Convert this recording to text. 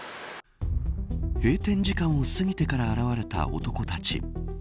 閉店時間を過ぎてから現れた男たち。